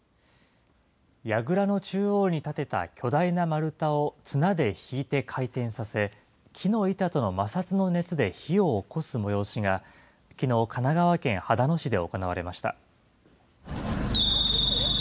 やぐらの中央に立てた巨大な丸太を綱でひいて回転させ、木の板との摩擦の熱で火をおこす催しが、きのう、神奈川県秦野市で行われました。